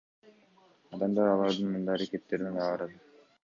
Адамдар алардын мындай аракеттерине нааразы.